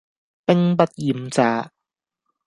兵不厭詐